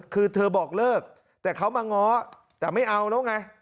คือเธอบอกเลิกแต่เขามาง้อแต่ไม่เอาแล้วไง